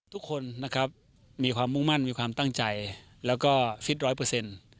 ทุกคนนะครับมีความมุ่งมั่นมีความตั้งใจแล้วก็ฟิตร้อยเปอร์เซ็นต์